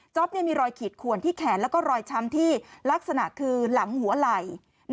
มีรอยขีดขวนที่แขนแล้วก็รอยช้ำที่ลักษณะคือหลังหัวไหล่